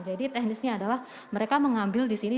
jadi teknisnya adalah mereka mengambil di sini